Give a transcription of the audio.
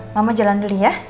mama jalan dulu ya